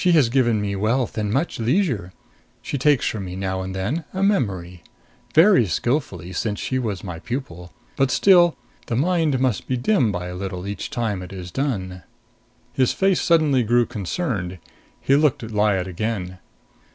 She has given me wealth and much leisure. She takes from me now and then a memory. Very skillfully, since she was my pupil. But still the mind must be dim by a little each time it is done." His face suddenly grew concerned. He looked at Lyad again.